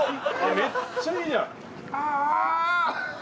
めっちゃいいじゃん。